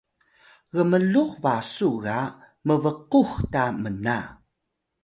gmlux basu ga mbkux ta mna